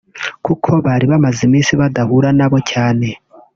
kuko bari bamaze iminsi badahura na bo cyane